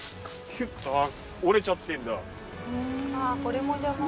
ああ折れちゃってんだ。